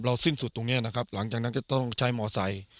สิ้นสุดตรงนี้นะครับหลังจากนั้นจะต้องใช้มอไซค์